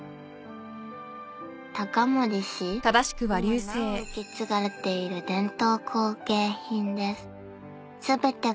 ［今なお受け継がれている伝統工芸品です］